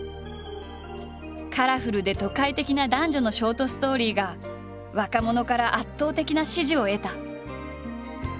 カラフルで都会的な男女のショートストーリーが若者から圧倒的な支持を得た。